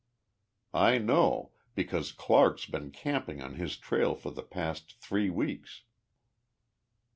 I know, because Clarke's been camping on his trail for the past three weeks."